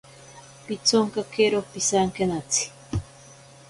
Pitsonkakero pisankenatsi.